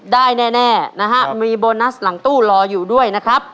ได้แน่นะฮะมีโบนัสหลังตู้รออยู่ด้วยนะครับ